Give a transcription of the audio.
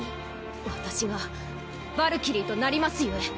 私がヴァルキリーとなりますゆえ。